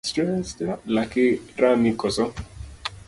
Laki rami koso?